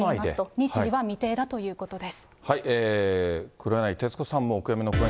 日時は未定だということです。